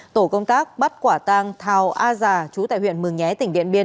tổ công tác bắt quả tang thào a già chú tại huyện mường nhé tỉnh điện biên